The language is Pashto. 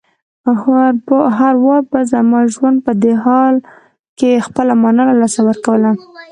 هر وار به زما ژوند په دې حال کې خپله مانا له لاسه ورکوله.